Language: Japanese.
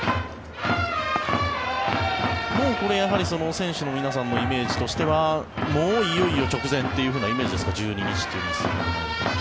もうこれ選手の皆さんのイメージとしてはもういよいよ直前というイメージですか１２日というのは。